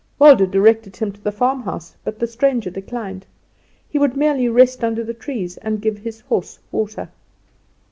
Waldo directed him to the farmhouse, but the stranger declined. He would merely rest under the trees and give his horse water.